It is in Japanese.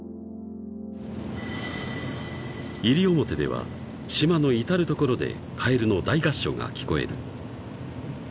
［西表では島の至る所でカエルの大合唱が聞こえる］